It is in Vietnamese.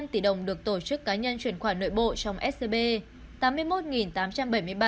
năm hai trăm bảy mươi năm tỷ đồng được tổ chức cá nhân truyền khoản nội bộ trong scb